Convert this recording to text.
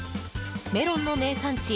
メロンの名産地